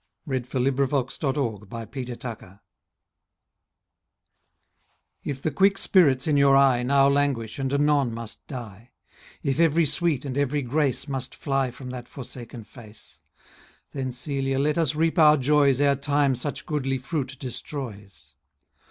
1595?–1639? 290. Persuasions to Joy: a Song IF the quick spirits in your eye Now languish and anon must die; If every sweet and every grace Must fly from that forsaken face; Then, Celia, let us reap our joys 5 Ere Time such goodly fruit destroys.